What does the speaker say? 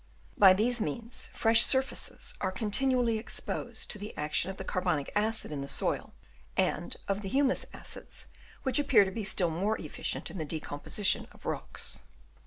By these means fresh sur faces are continually exposed to the action of the carbonic acid in the soil, and of the humus acids which appear to be still more efficient in the decomposition of rocks.